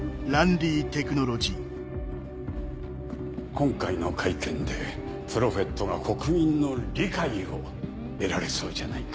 今回の会見でプロフェットが国民の理解を得られそうじゃないか。